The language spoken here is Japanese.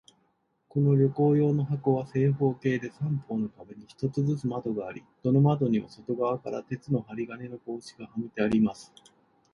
この旅行用の箱は、正方形で、三方の壁に一つずつ窓があり、どの窓にも外側から鉄の針金の格子がはめてあります。